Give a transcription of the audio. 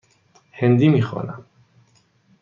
هندی می خوانم.